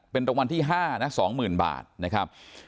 เป็นรางวัลที่๕นะ๒๐๐๐บาทนะครับ